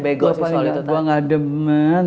bego sih soalnya gue gak demen